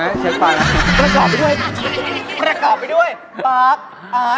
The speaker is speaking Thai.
อยู่แล้วปากยึดละ